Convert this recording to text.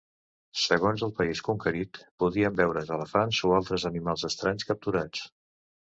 Segons el país conquerit podien veure's elefants o altres animals estranys capturats.